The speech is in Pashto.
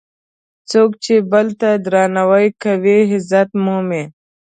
څوک چې بل ته درناوی کوي، عزت مومي.